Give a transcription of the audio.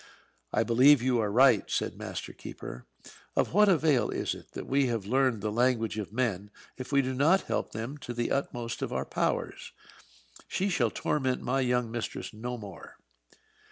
"I believe you are right!" said Master Keeper. "Of what avail is it that we have learned the language of men, if we do not help them to the utmost of our powers? She shall torment my young mistress no more."